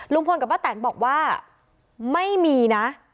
กับป้าแตนบอกว่าไม่มีนะ